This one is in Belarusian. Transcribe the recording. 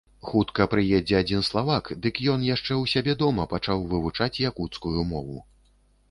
Хутка прыедзе адзін славак, дык ён яшчэ ў сябе дома пачаў вывучаць якуцкую мову.